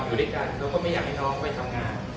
อยู่ด้วยกันเขาก็ไม่อยากให้น้องไปทำงาน